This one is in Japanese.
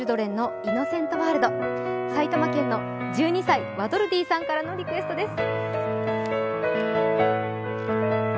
埼玉県の１２歳ワドルディさんからのリクエストです。